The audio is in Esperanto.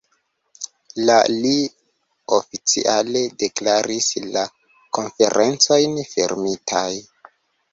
La li oficiale deklaris la Konferencojn fermitaj.